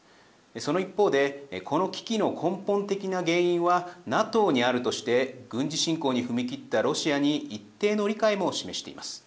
その一方でこの危機の根本的な原因はＮＡＴＯにあるとして軍事侵攻に踏み切ったロシアに一定の理解も示しています。